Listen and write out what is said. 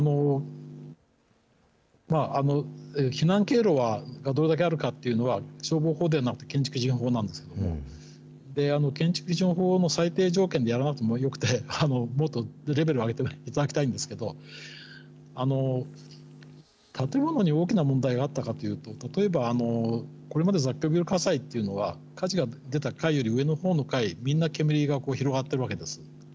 避難経路はどれだけあるかというのは消防法ではなく、建築基準法なんですけれども、建築基準法の最低条件でやらなくてもよくて、もっとレベルを上げていただきたいんですけれども、建物に大きな問題があったかっていうと、例えば、これまで雑居ビル火災というのは、火事が出た階よりも上のほうの階、みんな煙が広がっているわけです。